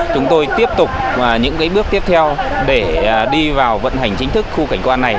chúng tôi tiếp tục những bước tiếp theo để đi vào vận hành chính thức khu cảnh quan này